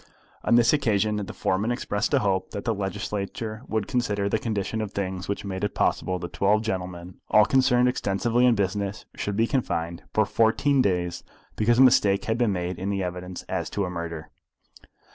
On this occasion the foreman expressed a hope that the Legislature would consider the condition of things which made it possible that twelve gentlemen all concerned extensively in business should be confined for fourteen days because a mistake had been made in the evidence as to a murder.